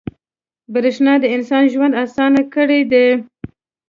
• برېښنا د انسان ژوند اسانه کړی دی.